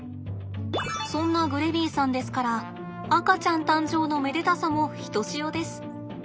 そんなグレビーさんですから赤ちゃん誕生のめでたさもひとしおです。